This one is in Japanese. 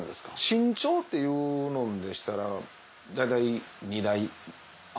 新調っていうのでしたら大体２台。